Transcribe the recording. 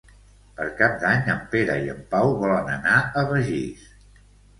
Per Cap d'Any en Pere i en Pau volen anar a Begís.